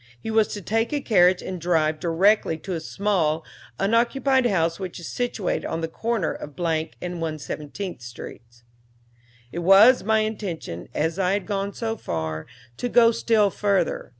"'He was to take a carriage and drive directly to a small, unoccupied house which is situated on the corner of Blank and 117th streets. "'It was my intention, as I had gone so far, to go still further.